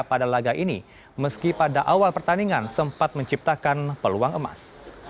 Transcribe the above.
pada laga ini meski pada awal pertandingan sempat menciptakan peluang emas